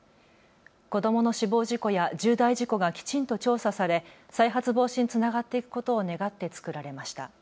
子どもの死亡事故や重大事故がきちんと調査され再発防止につながっていくことを願って作られました。